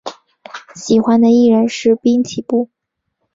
喜欢的艺人是滨崎步。